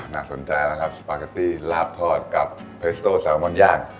น่าสนใจนะครับสปาเกตตี้ลาบทอดกับเพสโต้แซลมอนย่าง